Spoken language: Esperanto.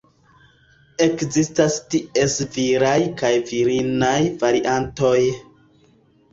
Ekzistas ties viraj kaj virinaj variantoj.